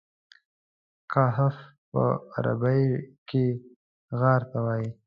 کهف په عربي کې غار ته وایي.